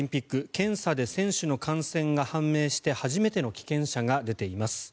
検査で選手の感染が判明して初めての棄権者が出ています。